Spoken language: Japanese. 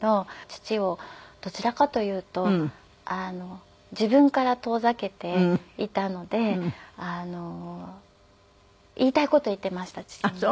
父をどちらかというと自分から遠ざけていたので言いたい事言っていました父に。